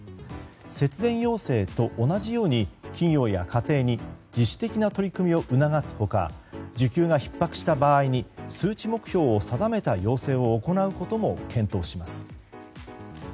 節電要請と同じように企業や家庭に自主的な取り組みを促す他需給がひっ迫した場合に数値目標を定めた要請を行うことも検討します。